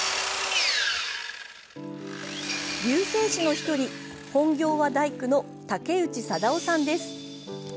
龍勢師の１人本業は大工の竹内定男さんです。